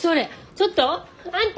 ちょっとあんた！